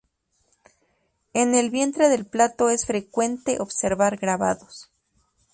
En el vientre del plato es frecuente observar grabados.